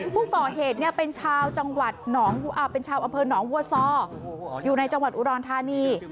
ผู้ก่อเหตุเป็นชาวอำเภอหนองวัวซออยู่ในจังหวัดอุดรธานี